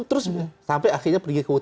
terus sampai akhirnya pergi ke kota